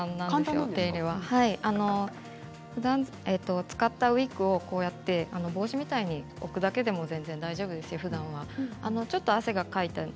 お手入れは使ったウイッグを帽子みたいに置くだけでも全然大丈夫ですふだんは。